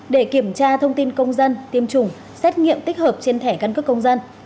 để kiểm tra thông tin công dân tiêm chủng xét nghiệm tích hợp trên thẻ căn cước công dân